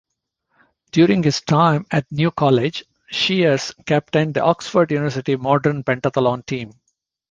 During his time at New College, Sheers captained the Oxford University Modern Pentathlon team.